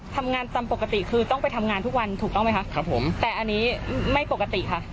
ทำงานตามปกติคือต้องไปทำงานทุกวันถูกต้องไหมคะครับผมแต่อันนี้ไม่ปกติค่ะ